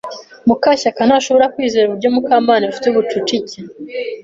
Mukashyaka ntashobora kwizera uburyo Mukamana afite ubucucike.